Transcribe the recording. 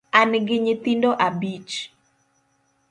An gi nyithindo abich